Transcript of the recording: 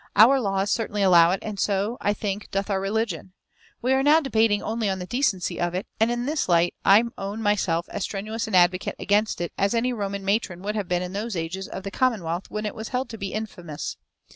Our laws certainly allow it, and so, I think, doth our religion. We are now debating only on the decency of it, and in this light I own myself as strenuous an advocate against it as any Roman matron would have been in those ages of the commonwealth when it was held to be infamous.